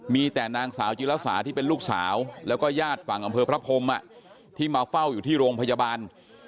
มีแต่นางสาวจิลสาที่เป็นลูกสาวแล้วก็ญาติฝั่งอำเภอพระพรมที่มาเฝ้าอยู่ที่โรงพยาบาล